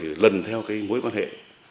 để tìm hiểu các mối quan hệ